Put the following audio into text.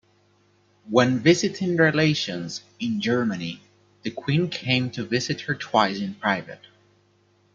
When visiting relations in Germany, the queen came to visit her twice in private.